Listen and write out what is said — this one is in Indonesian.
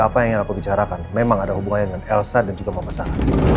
tapi apa yang aku bicarakan memang ada hubungan dengan elsa dan juga memasak